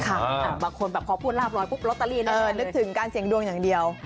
บางคนแบบพอพูดลาบร้อยปุ๊บลอตเตอรี่เลยนึกถึงการเสียงดวงอย่างเดียว